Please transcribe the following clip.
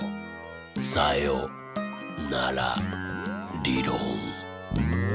さよならりろん。